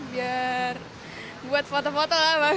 biar buat foto foto lah bang